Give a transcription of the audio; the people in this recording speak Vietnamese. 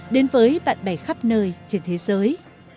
đến với bạn bè khắp nơi trên thế giới